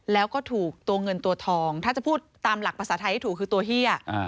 แล้วก็ถูกตัวเงินตัวทองถ้าจะพูดตามหลักภาษาไทยที่ถูกคือตัวเฮีย